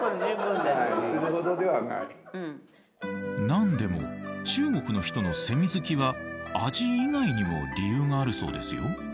何でも中国の人のセミ好きは味以外にも理由があるそうですよ。